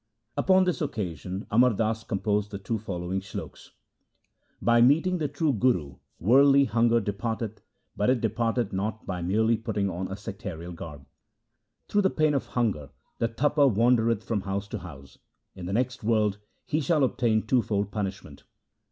Upon this occasion Amar Das composed the two following sloks :— By meeting the true Guru worldly hunger departeth, but it departeth not by merely putting on a sectarial garb. Through the pain of hunger the Tapa wandereth from house to house ; in the next world he shall obtain twofold punishment.